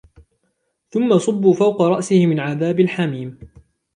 ثُمَّ صُبُّوا فَوْقَ رَأْسِهِ مِنْ عَذَابِ الْحَمِيمِ